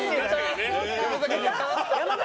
山崎？